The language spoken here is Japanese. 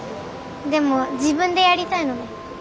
でも自分でやりたいので。